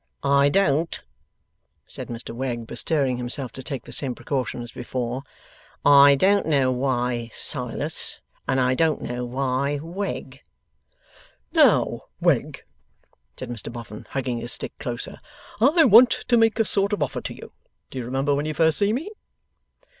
I don't,' said Mr Wegg, bestirring himself to take the same precaution as before, 'I don't know why Silas, and I don't know why Wegg.' 'Now, Wegg,' said Mr Boffin, hugging his stick closer, 'I want to make a sort of offer to you. Do you remember when you first see me?